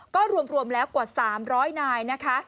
ก็รวมแล้วกว่า๓๐๐นายนะคะ